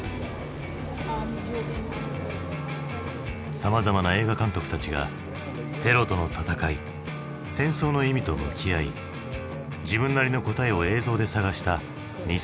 さまざまな映画監督たちがテロとの戦い戦争の意味と向き合い自分なりの答えを映像で探した２０００年代。